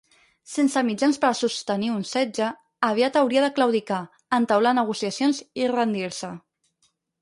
Sense mitjans per a sostenir un setge, aviat hauria de claudicar, entaular negociacions i rendir-se.